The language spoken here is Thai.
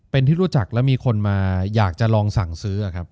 เป็นที่รู้จักแล้วมีคนมาอยากจะลองสั่งซื้อครับ